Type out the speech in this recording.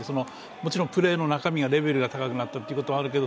もちろん、プレーの中身がレベルが高くなったのもあるけど